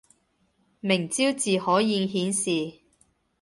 明朝字可以顯示